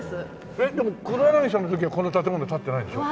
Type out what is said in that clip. えっでも黒柳さんの時はこの建物立ってないでしょ？